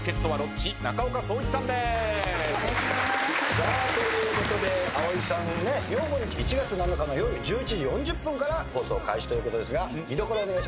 さあということで葵さんね明後日１月７日の夜１１時４０分から放送開始ということですが見どころお願いします。